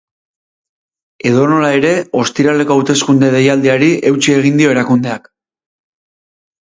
Edonola ere, ostiraleko hauteskunde deialdiari eutsi egin dio erakundeak.